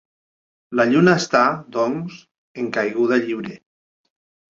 La Lluna està, doncs, en caiguda lliure.